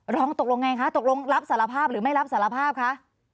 รองตกลงไงคะตกลงรับสารภาพหรือไม่รับสารภาพคะ